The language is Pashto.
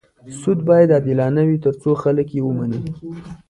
سود باید عادلانه وي تر څو خلک یې ومني.